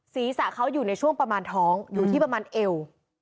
ศีรษะเขาอยู่ในช่วงประมาณท้องอยู่ที่ประมาณเอว